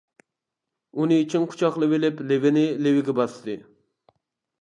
ئۇنى چىڭ قۇچاقلىۋېلىپ لېۋىنى لېۋىگە باستى.